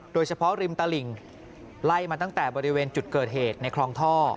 โดยเฉพาะริมตลิ่งไล่มาตั้งแต่บริเวณจุดเกิดเหตุในคลองท่อ